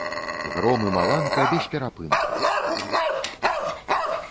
Гром і маланка бесперапынку.